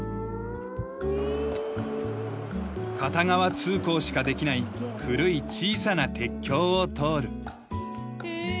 片側通行しかできない古い小さな鉄橋を通る。